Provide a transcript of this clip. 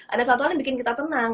ada satu hal yang bikin kita tenang